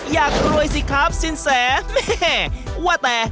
อยากรวยสิครับสินแส